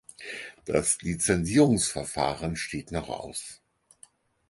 Das Lizenzierungsverfahren steht noch aus.